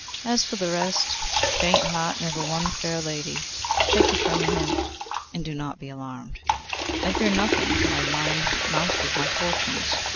As for the rest, faint heart never won fair lady; take a friendly hint, and do not be alarmed.' 'I fear nothing. My mind mounts with my fortunes.